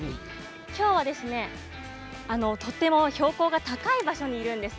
今日はとても標高が高い場所にいるんです。